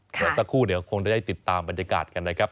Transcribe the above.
เดี๋ยวสักครู่เดี๋ยวคงจะได้ติดตามบรรยากาศกันนะครับ